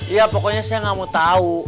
ya pokoknya saya gak mau tau